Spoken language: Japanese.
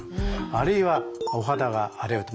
あるいはお肌が荒れると。